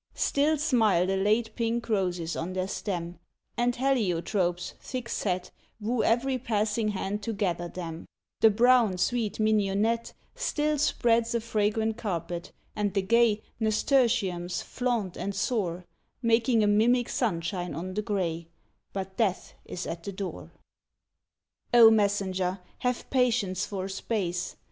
Still smile the late pink roses on their stem, And heliotropes, thick set, Woo every passing hand to gather them ; The brown, sweet mignonette MESSENGER WITH BOW STRING 153 Still spreads a fragrant carpet, and the gay Nasturtiums flaunt and soar, Making a mimic sunshine on the gray ; But death is at the door ! O messenger ! have patience for a space.